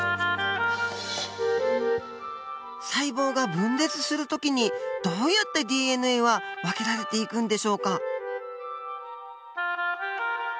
細胞が分裂する時にどうやってＤＮＡは分けられていくんでしょうか。